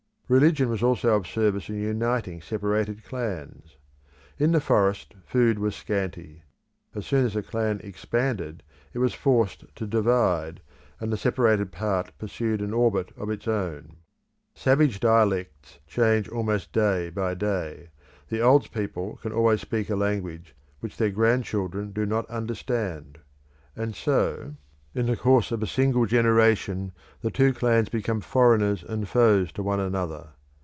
Religion was also of service in uniting separated clans. In the forest, food was scanty; as soon as a clan expanded it was forced to divide, and the separated part pursued an orbit of its own. Savage dialects change almost day by day; the old people can always speak a language which their grandchildren do not understand, and so, in the course of a single generation, the two clans become foreigners and foes to one another.